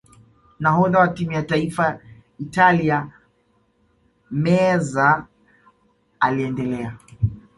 nahodha wa timu ya taifa Italia meazza aliendelea